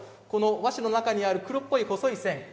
この和紙の中にある黒っぽい細い線。